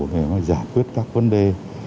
để giải quyết các vấn đề